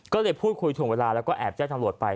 ก็เลยพูดคุยถ่วงเวลาแล้วก็แอบแจ้งตำรวจไป